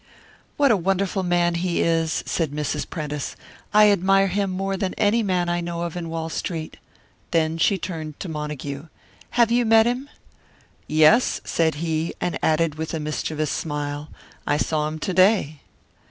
"What a wonderful man he is!" said Mrs. Prentice. "I admire him more than any man I know of in Wall Street." Then she turned to Montague. "Have you met him?" "Yes," said he; and added with a mischievous smile, "I saw him to day."